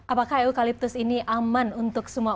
apakah eukaliptus ini aman untuk semua